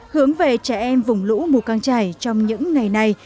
hướng về trẻ em vùng lũ mùa căng trải trong những ngày này